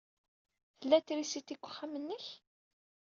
Tella trisiti deg wexxam-nnek?